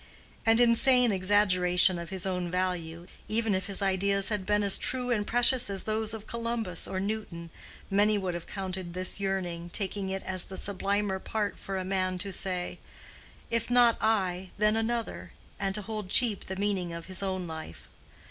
An insane exaggeration of his own value, even if his ideas had been as true and precious as those of Columbus or Newton, many would have counted this yearning, taking it as the sublimer part for a man to say, "If not I, then another," and to hold cheap the meaning of his own life.